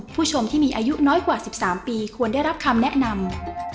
ผู้ชมที่มีอายุน้อยกว่า๑๓ปีควรได้รับคำแนะนำ